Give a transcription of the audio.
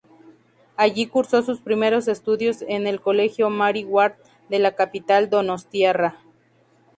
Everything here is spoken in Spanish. Allí cursó sus primeros estudios en el Colegio Mary Ward de la capital donostiarra.